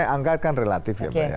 angkat kan relatif ya pak ya